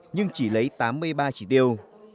nhưng chỉ lấy tám mươi ba chỉ tiêu